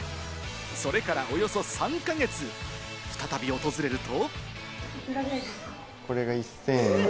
それからおよそ３か月、再び訪れると。